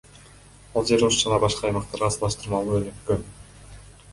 Ал жер Ош жана башка аймактарга салыштырмалуу өнүккөн.